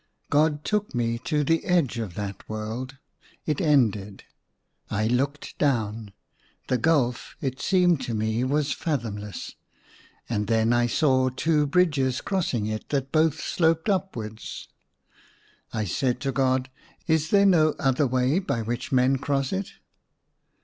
God took me to the edge of that world. It ended. I looked down. The gulf, it seemed to me, was fathomless ; and then I saw two bridges crossing it that both sloped upwards. ACROSS MY BED. 159 I said to God, "Is there no other way by which men cross it